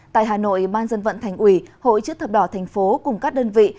tại hà nội ban dân vận thành ủy hội chức thập đỏ thành phố cùng các đơn vị